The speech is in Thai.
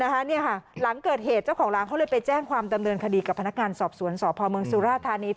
หลังเกิดเหตุเจ้าของร้านเขาเลยไปแจ้งความดำเนินคดีกับพนักงานสอบสวนสพเมืองสุราธานี